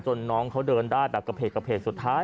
น้องเขาเดินได้แบบกระเพกสุดท้าย